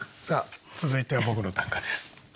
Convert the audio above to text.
さあ続いては僕の短歌です。